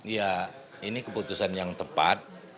ya ini keputusan yang tepat